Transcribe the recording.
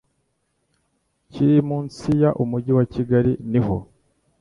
kiri munsi ya Umujyi wa Kigali niho